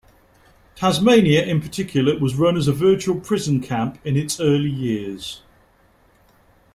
Tasmania in particular was run as a virtual prison camp in its early years.